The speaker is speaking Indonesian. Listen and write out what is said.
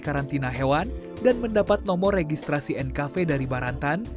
karantina hewan dan mendapat nomor registrasi nkv dari barantan